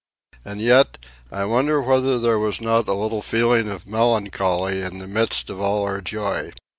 And yet, I wonder whether there was not a little feeling of melancholy in the midst of all our joy?